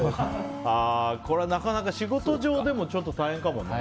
これは、なかなか仕事上でもちょっと大変かもね。